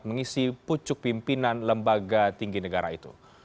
mengisi pucuk pimpinan lembaga tinggi negara itu